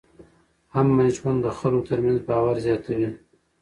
امن ژوند د خلکو ترمنځ باور زیاتوي.